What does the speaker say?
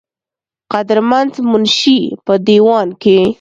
قدر مند منشي پۀ دېوان کښې